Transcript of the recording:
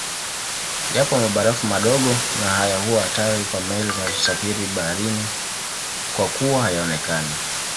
Yapo mabarafu madogo na haya huwa hatari kwa meli zinazosafiri baharini kwakuwa hayaonekani